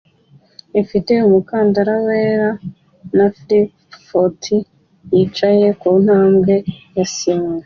ifite umukandara wera na flip-flops yicaye kuntambwe ya sima